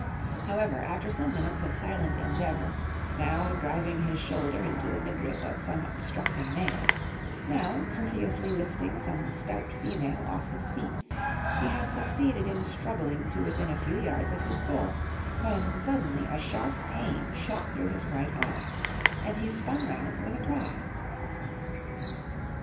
However, after some minutes of silent endeavour, now driving his shoulder into the midriff of some obstructing male, now courteously lifting some stout female off his feet, he had succeeded in struggling to within a few yards of his goal, when suddenly a sharp pain shot through his right arm, and he spun round with a cry.